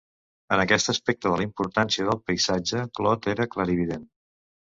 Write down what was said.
En aquest aspecte de la importància del paisatge, Claude era clarivident.